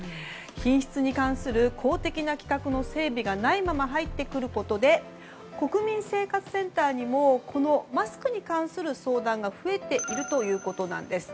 品質に関する公的な規格の整備がないまま入ってくることで国民生活センターにもマスクに関する相談が増えているということなんです。